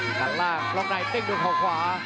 หลังล่างมองในเต้งด้วยข่าวขวา